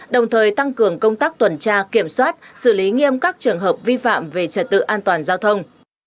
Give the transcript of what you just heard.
đồng thời tăng cường công tác tuần tra kiểm soát xử lý nghiêm các trường hợp vi phạm về trật tự an toàn giao thông